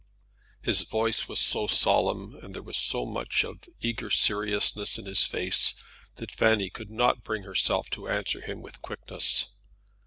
His voice was so solemn, and there was so much of eager seriousness in his face that Fanny could not bring herself to answer him with quickness.